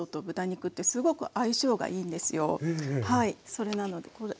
それなのでこれ。